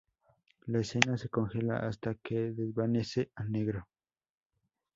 La escena se congela hasta que desvanece a negro.